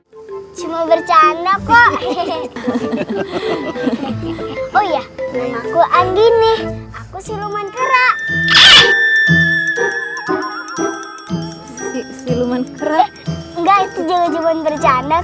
hai semua bercanda kok hehehe oh ya nama ku andini aku siluman kera siluman kera enggak